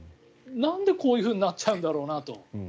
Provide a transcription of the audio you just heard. なんで、こういうふうになっちゃうんだろうなと。